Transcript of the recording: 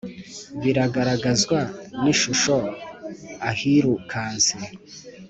Biragaragazwa n’ishusho ahirukanse